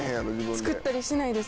作ったりしないです